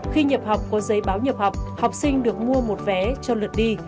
khi nhập học có giấy báo nhập học học sinh được mua một vé cho lượt đi